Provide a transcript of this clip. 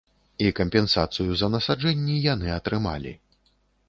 І кампенсацыю за насаджэнні яны атрымалі.